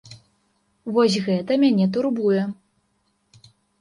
Вось гэта мяне турбуе.